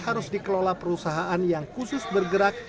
harus dikelola perusahaan yang khusus bergerak